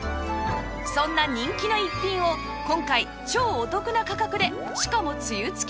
そんな人気の逸品を今回超お得な価格でしかもつゆ付きでご紹介